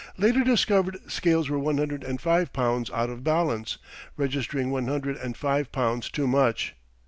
Later discovered scales were one hundred and five pounds out of balance, registering one hundred and five pounds too much.